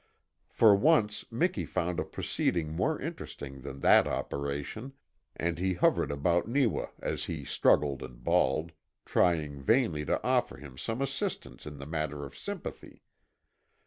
For once Miki found a proceeding more interesting than that operation, and he hovered about Neewa as he struggled and bawled, trying vainly to offer him some assistance in the matter of sympathy.